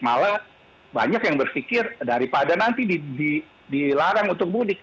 malah banyak yang berpikir daripada nanti dilarang untuk mudik